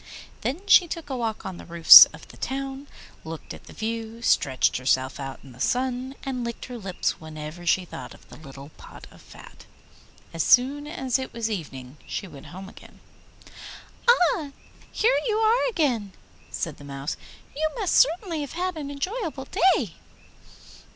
Then she took a walk on the roofs of the town, looked at the view, stretched herself out in the sun, and licked her lips whenever she thought of the little pot of fat. As soon as it was evening she went home again. 'Ah, here you are again!' said the Mouse; 'you must certainly have had an enjoyable day.